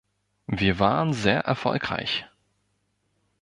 Wir waren sehr erfolgreich!